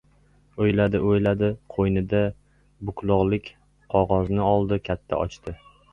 O‘yladi-o‘yladi, qo‘ynidan buklog‘lik qog‘ozni oldi. Katta ochdi.